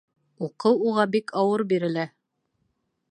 Уҡыу уға бик ауыр бирелә